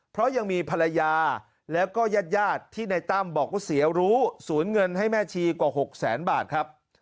เพราะยังมีภรรยาแล้วก็ญาติที่ในตั้มบอกว่าเสียรู้ศูนย์เงินให้แม่ชีกว่า๖แสนบาทครับ